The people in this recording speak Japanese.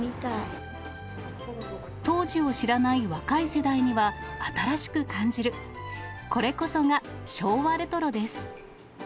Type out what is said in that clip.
当時を知らない若い世代には、新しく感じる、これこそが昭和レトロです。